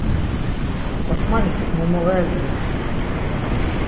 Osmanik momoğerdinams.